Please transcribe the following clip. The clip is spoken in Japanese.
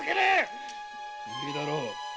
いいだろう。